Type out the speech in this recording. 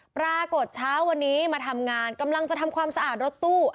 ปรากฏเช้าวันนี้มาทำงานกำลังจะทำความสะอาดรถตู้